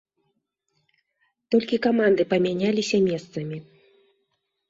Толькі каманды памяняліся месцамі.